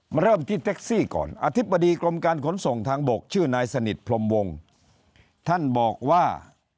เริ่มที่แท็กซี่ก่อนอธิบดีกรมการขนส่งทางบกชื่อนายสนิทพรมวงท่านบอกว่า